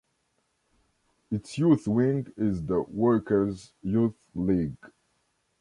Its youth wing is the Workers' Youth League.